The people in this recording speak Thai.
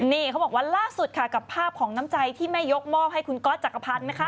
นี่เขาบอกว่าล่าสุดค่ะกับภาพของน้ำใจที่แม่ยกมอบให้คุณก๊อตจักรพันธ์นะคะ